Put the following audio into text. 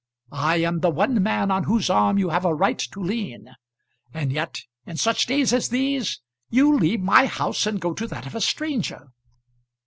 I am the one man on whose arm you have a right to lean. And yet, in such days as these, you leave my house and go to that of a stranger."